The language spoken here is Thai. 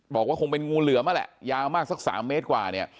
บอกว่าคงเป็นงูเหลือมนั่นแหละยาวมากสัก๓เมตรกว่าเนี่ย